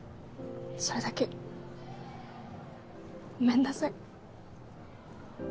それだけごめんなさい